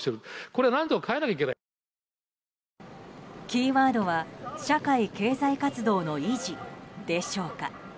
キーワードは社会経済活動の維持でしょうか。